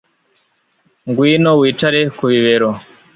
ngwino wicare ku bibero